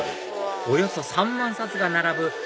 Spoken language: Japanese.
およそ３万冊が並ぶ